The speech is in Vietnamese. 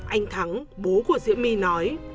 anh thắng bố của diễm my nói